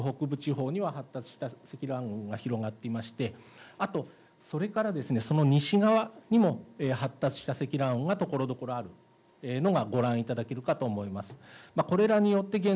３時の段階ですでに九州北部地方には発達した積乱雲が広がっていまして、あと、それからその西側にも、発達した積乱雲がところどころあるのがご覧いただけるかと思います。